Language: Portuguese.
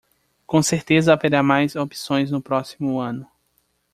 Com certeza haverá mais opções no próximo ano.